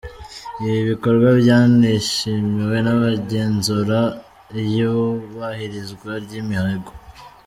Ibi bikorwa byanishimiwe n’abagenzuraga iyubahirizwa ry’imihigo.